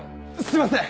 すいません！